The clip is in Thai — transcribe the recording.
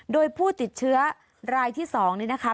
โดยผู้ติดเชื้อรายที่๒นี่นะคะ